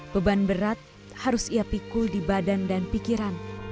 beban berat harus ia pikul di badan dan pikiran